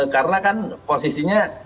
karena kan posisinya